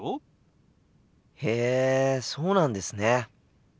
へえそうなんですね。